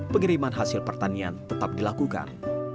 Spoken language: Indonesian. pengiriman hasil pertanian tetap dilakukan